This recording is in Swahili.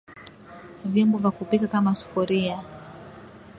vyombo vya kupika kama Sufuria